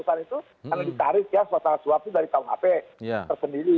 karena ditarik ya suatu suapnya dari tahun hp tersendiri